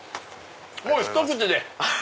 もうひと口で。